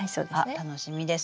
楽しみです。